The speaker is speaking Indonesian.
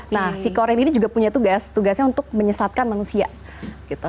nah si corin ini juga punya tugas tugasnya untuk menyesatkan manusia gitu